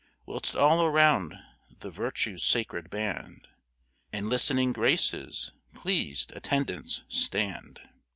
Whilst all around the Virtues' Sacred Band, And list'ning Graces, pleas'd Attendants, stand.